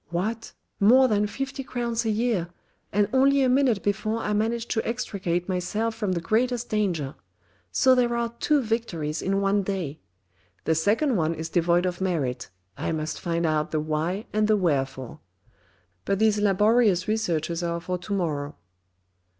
What ? more than fifty crowns a year, and only a minute before I managed to extricate myself from the greatest danger ; so there are two victories in one day. The 5 66 THE RED AND THE BLACK second one is devoid of merit, I must find out the why and the wherefore. But these laborious researches are for to morrow."